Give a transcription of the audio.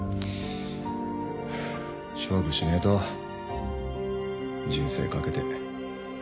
勝負しねえと人生懸けて。